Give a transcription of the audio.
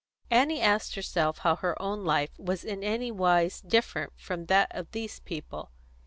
Annie asked herself how her own life was in any wise different from that of these people.